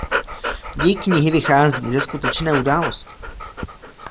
Děj knihy vychází ze skutečné události.